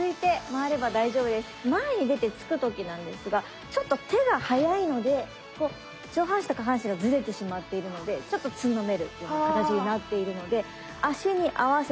前に出て突く時なんですがちょっと手が速いので上半身と下半身がズレてしまっているのでちょっとつんのめる形になっているので足に合わせて手をのせてくる。